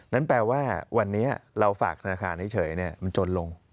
แปลว่าวันนี้เราฝากธนาคารเฉยมันจนลง